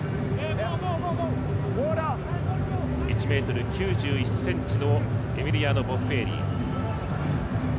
１ｍ９１ｃｍのエミリアーノ・ボッフェーリ。